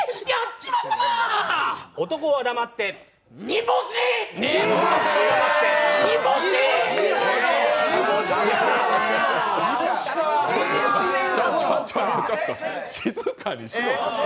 ちょっとちょっと、静かにしろ。